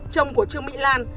chồng của trương mỹ lan